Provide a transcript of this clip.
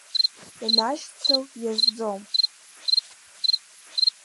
Ианашьцыл иазӡом.